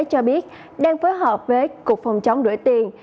có hợp với cục phòng chống đuổi tiền